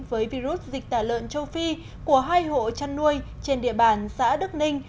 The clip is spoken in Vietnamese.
với virus dịch tả lợn châu phi của hai hộ chăn nuôi trên địa bàn xã đức ninh